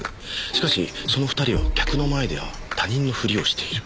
しかしその２人は客の前では他人のふりをしている。